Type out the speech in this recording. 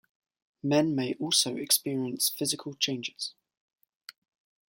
Men may also experience physical changes.